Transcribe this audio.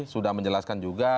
sudah menjelaskan juga